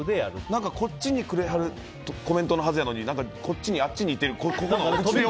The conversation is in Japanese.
何かこっちにくれはるコメントのはずなのにこっちに、あっちにいってる。